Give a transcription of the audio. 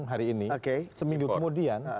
hari ini seminggu kemudian